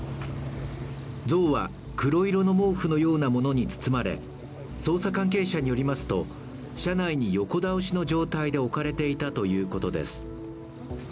像は黒色の毛布のようなものに包まれ、捜査関係者によりますと車内に横倒しの状態で置かれていたということです。